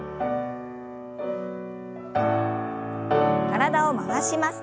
体を回します。